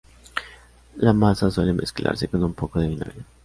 La masa suele mezclarse con un poco de vinagre.